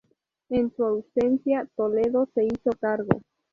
En su ausencia, Toledo se hizo cargo.